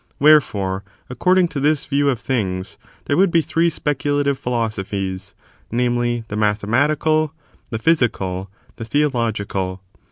Wherefore, according to this view of things, ^ ^j^^^ ^ j f there would be three speculative philosophies; division of namely, the mathematical, the physical, the SSle^^* theological.